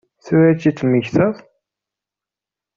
Tura i t-id-temmektaḍ?